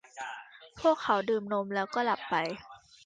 พวกเขาดื่มนมแล้วก็หลับไป